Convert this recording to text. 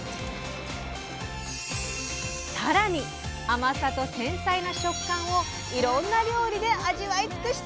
さらに甘さと繊細な食感をいろんな料理で味わいつくしたい！